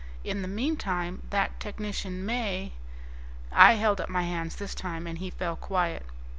In the meantime that technician may ..." I held up my hands this time, and he fell quiet.